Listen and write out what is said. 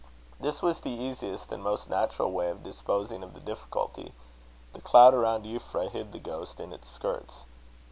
This was the easiest and most natural way of disposing of the difficulty. The cloud around Euphra hid the ghost in its skirts.